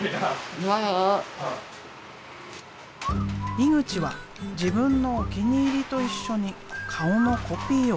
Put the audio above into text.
井口は自分のお気に入りと一緒に顔のコピーをする。